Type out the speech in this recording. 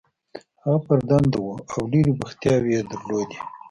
هغه پر دنده وه او ډېرې بوختیاوې یې درلودې.